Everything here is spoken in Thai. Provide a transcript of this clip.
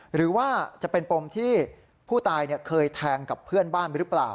หรือว่าจะเป็นปมที่ผู้ตายเคยแทงกับเพื่อนบ้านหรือเปล่า